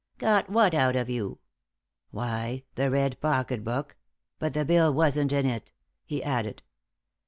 "Got what out of you?" "Why, the red pocket book but the bill wasn't in it," he added.